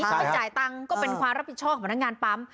ใช่ค่ะก็เป็นความรับผิดชอบของพนักงานปั๊ม